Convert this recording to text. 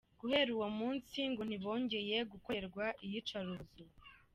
Guhera uwo munsi ngo ntibongeye gukorerwa iyicarubozo.